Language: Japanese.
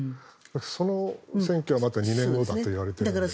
その選挙はまた２年後だといわれているので。